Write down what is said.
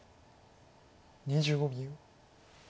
２５秒。